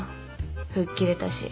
吹っ切れたし